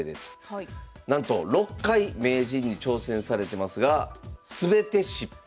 なんと６回名人に挑戦されてますが全て失敗。